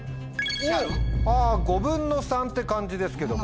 ５分の３って感じですけども。